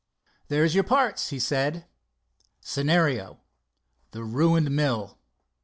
"There's your parts," he said. "Scenario: 'The Ruined Mill'."